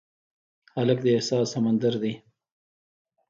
هلک د احساس سمندر دی.